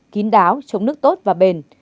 kín đáo chống nước tốt và bền